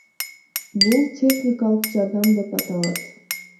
Бул техникалык жардам деп аталат.